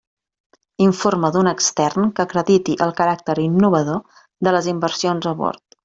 Informe d'un extern que acrediti el caràcter innovador de les inversions a bord.